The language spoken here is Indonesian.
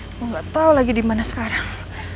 saya tidak tahu lagi di mana sekarang